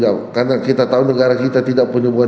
karena kita tahu negara kita tidak punya